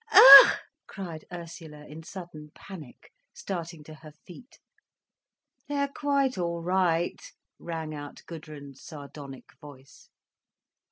"Ugh!" cried Ursula in sudden panic, starting to her feet. "They're quite all right," rang out Gudrun's sardonic voice.